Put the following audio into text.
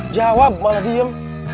jawab malah diem